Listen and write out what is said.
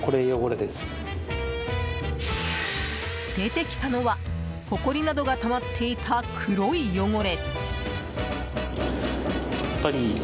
出てきたのは、ほこりなどがたまっていた黒い汚れ。